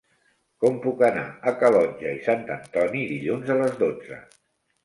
Com puc anar a Calonge i Sant Antoni dilluns a les dotze?